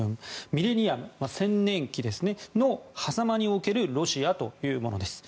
「ミレニアム千年紀のはざまにおけるロシア」というものです。